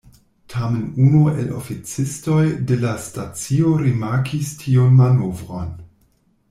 Tamen unu el oficistoj de la stacio rimarkis tiun manovron.